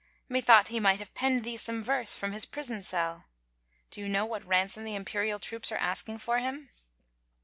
" Methought he might have penned thee some verse from his prison cell. ... Do you know what ransom the Imperial troops are asking for him?"